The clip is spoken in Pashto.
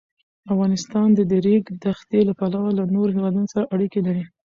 افغانستان د د ریګ دښتې له پلوه له نورو هېوادونو سره اړیکې لري.